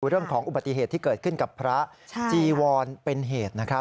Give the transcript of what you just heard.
เรื่องของอุบัติเหตุที่เกิดขึ้นกับพระจีวรเป็นเหตุนะครับ